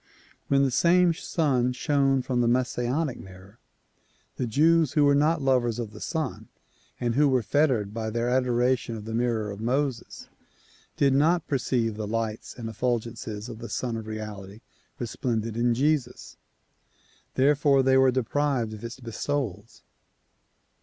When the same Sun shone from the Messianic mirror, the Jews who were not lovers of the Sun and who were fettered by their adoration of the mirror of Moses did not perceive the lights and effulgences of the Sun of Reality resplendent in Jesus, therefore they were deprived of its bestowals.